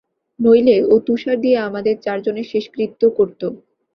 নইলে ও তুষার দিয়ে আমাদের চারজনের শেষকৃত্য করতো!